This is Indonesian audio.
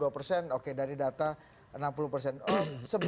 dua puluh persen oke dari data enam puluh persen